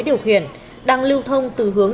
điều khiển đang lưu thông từ hướng